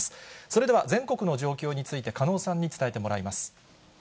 それでは、全国の状況について加納さんに伝えてもらいます。